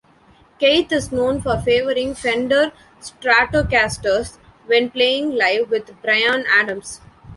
Keith is known for favouring Fender Stratocasters when playing live with Bryan Adams.